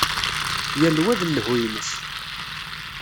Yal wa d llhu-ines.